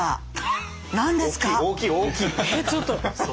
えちょっと。